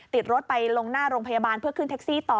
ติดรถไปลงหน้าโรงพยาบาลเพื่อขึ้นแท็กซี่ต่อ